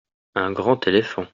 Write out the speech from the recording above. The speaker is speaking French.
un grand éléphant.